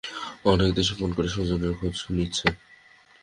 অনেকেই দেশে ফোন করে স্বজনের খোঁজ নিচ্ছেন।